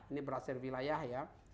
ini berdasarkan wilayah ya